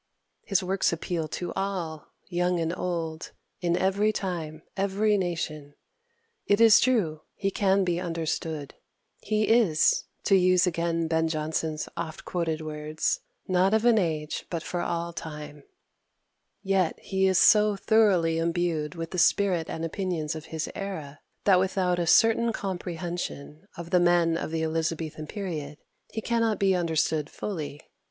His works appeal to all, young and old, in every time, every nation. It is true; he can be understood. He is, to use again Ben Jonson's oft quoted words, "Not of an age, but for all time." Yet he is so thoroughly imbued with the spirit and opinions of his era, that without a certain comprehension of the men of the Elizabethan period he cannot be understood fully.